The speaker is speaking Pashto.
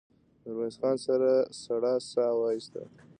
ميرويس خان سړه سا وايسته.